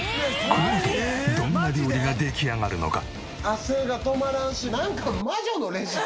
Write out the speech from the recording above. このあとどんな料理が出来上がるのか？